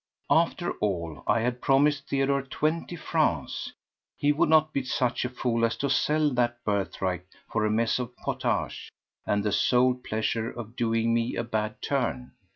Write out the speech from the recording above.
After all, I had promised Theodore twenty francs; he would not be such a fool as to sell that birthright for a mess of pottage and the sole pleasure of doing me a bad turn.